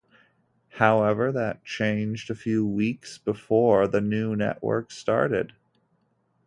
However, that changed a few weeks before the new network started.